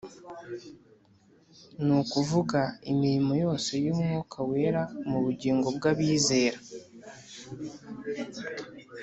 ni ukuvuga imirimo yose y'Umwuka Wera mu bugingo bw'Abizera.